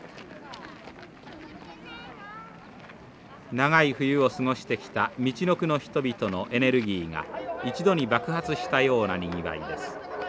長い冬を過ごしてきたみちのくの人々のエネルギーが一度に爆発したようなにぎわいです。